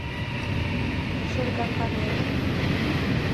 Шергаканем.